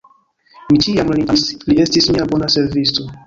Mi ĉiam lin amis, li estis mia bona servisto.